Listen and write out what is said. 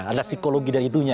ada psikologi dari itunya